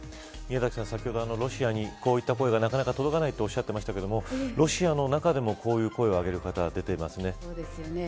宮崎さん、先ほどロシアにこういった声がなかなか届かないとおっしゃってましたがロシアの中でも、こういう声を上げる方が出ていますね。